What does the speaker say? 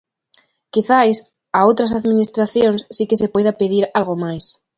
Quizais a outras administracións si que se poida pedir algo máis.